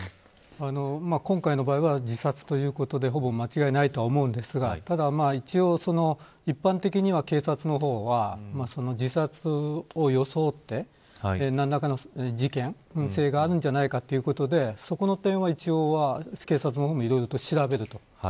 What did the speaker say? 今回の場合は自殺ということでほぼ間違いないと思うんですがただ一応、一般的には警察の方は自殺を装って何らかの事件性があるんじゃないかということでそこは一応警察の方は一応調べると。